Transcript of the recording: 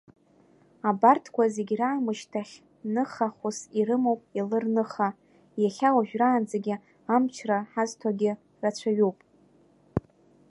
Абарҭқәа зегь раамшьҭахь ныхахәыс ирымоуп Елыр-ныха, иахьа уажәраанӡагьы амчра хазҭогьы рацәаҩуп.